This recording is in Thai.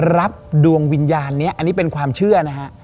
ดวงวิญญาณนี้อันนี้เป็นความเชื่อนะฮะ